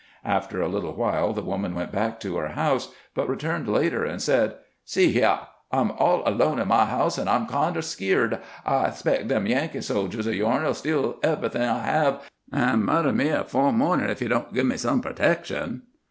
After a little while the woman went back to her house, but returned later, and said :" See h'yah ; I 'm all alone in my house, and I 'm kinder skeerd. I expect them Yankee soldiers of yourn '11 steal everything I have, and murder me afo' morning, if you don't give me some protection."